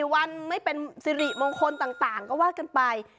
วันไม่เป็นสิริมงคลต่างก็ว่ากันไป